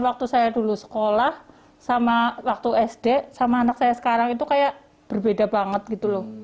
waktu saya dulu sekolah sama waktu sd sama anak saya sekarang itu kayak berbeda banget gitu loh